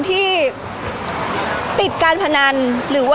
พี่ตอบได้แค่นี้จริงค่ะ